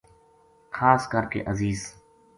خاص کر کے عزیز